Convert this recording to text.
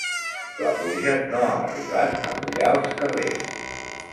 La pluja no ha arribat a mullar els carrers.